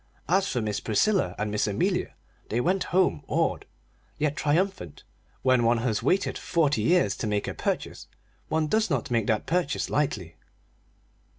As for Miss Priscilla and Miss Amelia, they went home awed, yet triumphant: when one has waited forty years to make a purchase one does not make that purchase lightly.